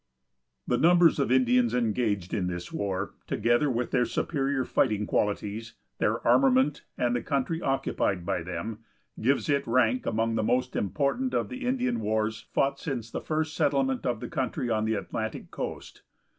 The numbers of Indians engaged in this war, together with their superior fighting qualities, their armament, and the country occupied by them gives it rank among the most important of the Indian wars fought since the first settlement of the country on the Atlantic coast.